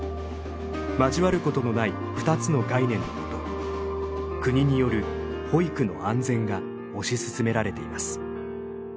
交わることのない２つの概念のもと国による保育の安全が推し進められています。